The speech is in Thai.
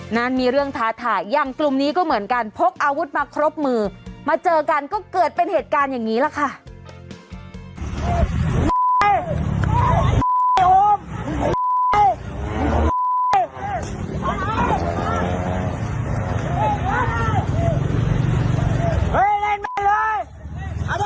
นั้นมีเรื่องท้าทายอย่างกลุ่มนี้ก็เหมือนกันพกอาวุธมาครบมือมาเจอกันก็เกิดเป็นเหตุการณ์อย่างนี้แหละค่ะ